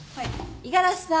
五十嵐さん。